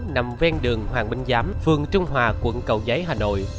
nằm ven đường hoàng minh giám phường trung hòa quận cầu giấy hà nội